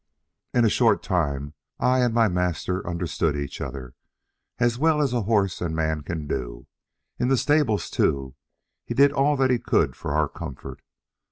In a short time I and my master understood each other, as well as horse and man can do. In the stable, too, he did all that he could for our comfort.